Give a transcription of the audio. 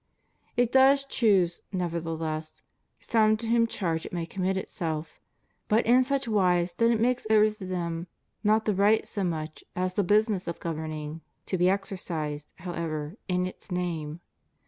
It does choose nevertheless some to whose charge it may conmiit itself, but in such wise that it makes over to them not the right so much as the business of governing, to be exercised, however, in its name.